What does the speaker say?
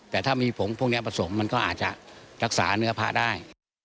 แต่ถ้ามีผงพวกนี้ผสมมันก็อาจจะรักษาเนื้อพระได้